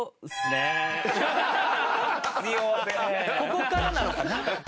ここからなのかな？